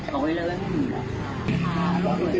หนีแล้วค่ะ